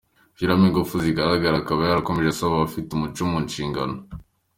gushyiramo ingufu zigaragara, akaba yarakomeje asaba abafite umuco mu nshingano.